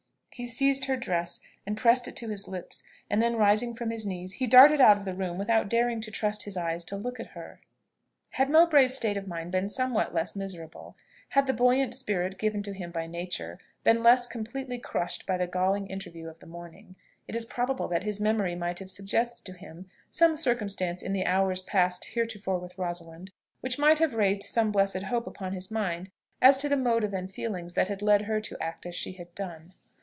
He seized her dress and pressed it to his lips; and, then rising from his knees, he darted out of the room, without daring to trust his eyes to look at her. Had Mowbray's state of mind been somewhat less miserable had the buoyant spirit given to him by nature been less completely crushed by the galling interview of the morning, it is probable that his memory might have suggested to him some circumstances in the hours passed heretofore with Rosalind, which might have raised some blessed hope upon his mind as to the motive and feelings that had led her to act as she had done.